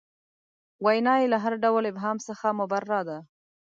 وینا یې له هر ډول ابهام څخه مبرا ده.